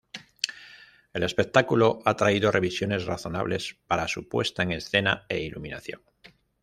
El espectáculo ha atraído revisiones razonables para su puesta en escena e iluminación.